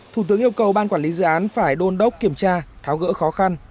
thủ tướng yêu cầu ban quản lý dự án phải đôn đốc kiểm tra tháo gỡ khó khăn